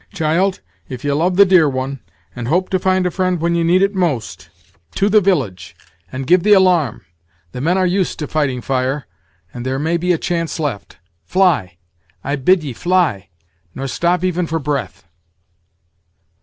Child, if ye love the dear one, and hope to find a friend when ye need it most, to the village, and give the alarm. The men are used to fighting fire, and there may be a chance left, Fly! I bid ye fly! nor stop even for breath."